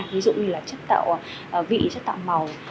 ví dụ như chất tạo vị chất tạo màu